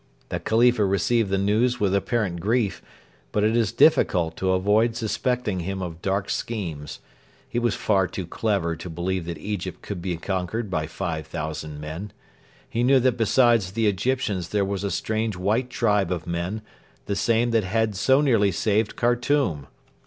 The Khalifa received the news with apparent grief, but it is difficult to avoid suspecting him of dark schemes. He was far too clever to believe that Egypt could be conquered by five thousand men. He knew that besides the Egyptians there was a strange white tribe of men, the same that had so nearly saved Khartoum.